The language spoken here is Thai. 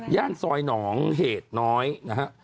ซอยหนองเหตุน้อยนะฮะ